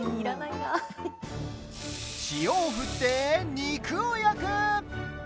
塩を振って、肉を焼く！